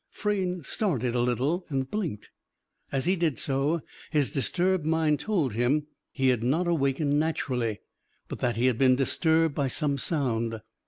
Frayne started a little, and blinked. As he did so, his disturbed mind told him he had not awakened naturally, but that he had been disturbed by some sound.